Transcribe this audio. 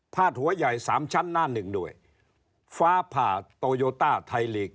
หัวใหญ่สามชั้นหน้าหนึ่งด้วยฟ้าผ่าโตโยต้าไทยลีก